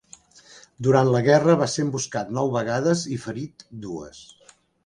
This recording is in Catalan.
Durant la guerra, va ser emboscat nou vegades i ferit dues.